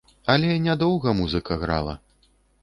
Але нядоўга музыка грала.